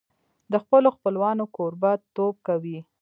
د خپلو خپلوانو کوربهتوب کوي.